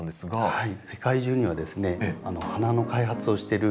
はい。